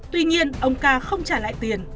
tuy nhiên ông ca không trả lại tiền